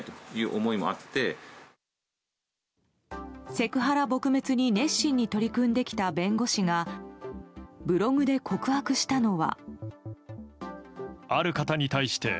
セクハラ撲滅に熱心に取り組んできた弁護士がブログで告白したのは。